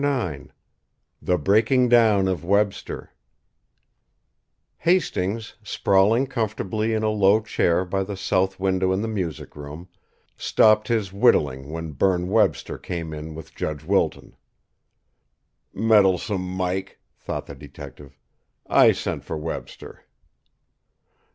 IX THE BREAKING DOWN OF WEBSTER Hastings, sprawling comfortably in a low chair by the south window in the music room, stopped his whittling when Berne Webster came in with Judge Wilton. "Meddlesome Mike!" thought the detective. "I sent for Webster."